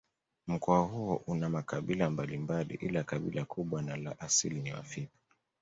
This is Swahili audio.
Mkoa huo una makabila mbalimbali ila kabila kubwa na la asili ni Wafipa